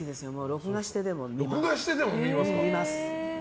録画してでも見ます。